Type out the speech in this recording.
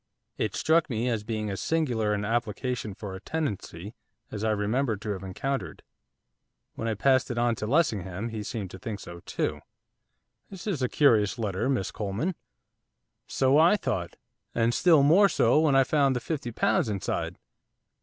It struck me as being as singular an application for a tenancy as I remembered to have encountered. When I passed it on to Lessingham, he seemed to think so too. 'This is a curious letter, Miss Coleman.' 'So I thought, and still more so when I found the fifty pounds inside.